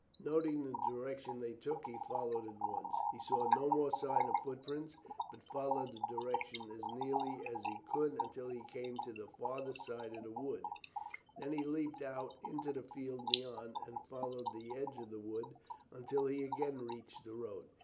Noting the direction they took, he followed at once. He saw no more signs of footprints, but followed the direction as nearly as he could until he came to the farthest side of the wood; then he leaped out into the field beyond, and followed the edge of the wood until he again reached the road.